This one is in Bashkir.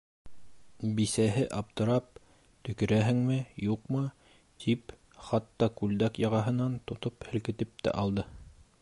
Бисәһе аптырап, төкөрәһеңме, юҡмы, тип хатта күлдәк яғаһынан тотоп һелкетеп тә алды.